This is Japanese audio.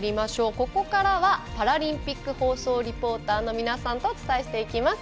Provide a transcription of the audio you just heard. ここからはパラリンピック放送リポーターの皆さんとお伝えしていきます。